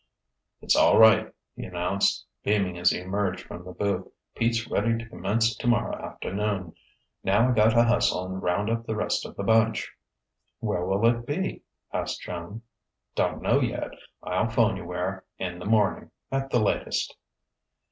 "It's all right," he announced, beaming as he emerged from the booth "Pete's ready to commence tomorrow aft'noon. Now I got to hustle and round up the rest of the bunch." "Where will it be?" asked Joan. "Don't know yet I'll 'phone you where in the morning, at the latest...."